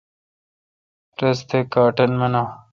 رس تہ کاٹن منان۔